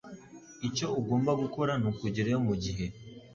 Icyo ugomba gukora nukugerayo mugihe.